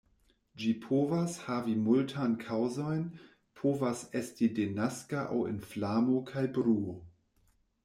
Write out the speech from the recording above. Ĝi povas havi multan kaŭzojn, povas esti denaska aŭ inflamo kaj bruo.